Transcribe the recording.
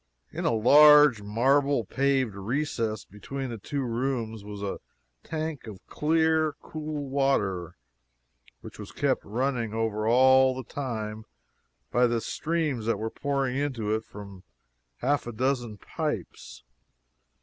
In a large marble paved recess between the two rooms was a tank of clear, cool water, which was kept running over all the time by the streams that were pouring into it from half a dozen pipes.